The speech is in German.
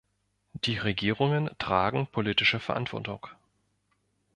Die Regierungen tragen politische Verantwortung.